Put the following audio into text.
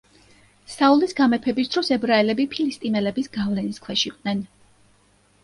საულის გამეფების დროს ებრაელები ფილისტიმელების გავლენის ქვეშ იყვნენ.